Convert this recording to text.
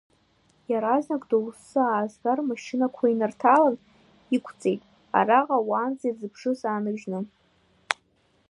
Иаразнак доусы аазгаз рмашьынақәа инарҭалан, иқәҵит, араҟа уаанӡа ирызԥшыз ааныжьны.